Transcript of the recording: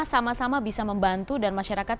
sama sama bisa membantu dan masyarakat